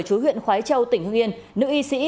trú huyện khói châu tỉnh hương yên nữ y sĩ